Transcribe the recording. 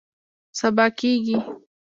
سبا کیږي